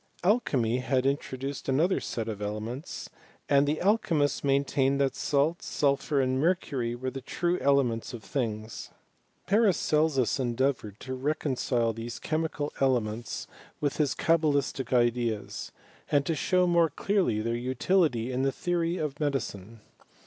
Alchymy had introduced another set of elements, and the al chymists maintained that salt, sulphur, and mercury, were the true elements of things. Paracelsus endea voured to reconcile these chemical elements with hift 160 HISTORY OF CHEMISTRY. . cabalistic ideas, and to show more clearly their utility: in the theory of medicine.